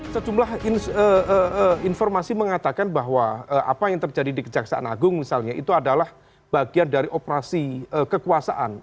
sejumlah informasi mengatakan bahwa apa yang terjadi di kejaksaan agung misalnya itu adalah bagian dari operasi kekuasaan